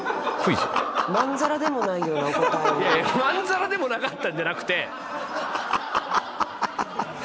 まんざらでもなかったんじゃなくて！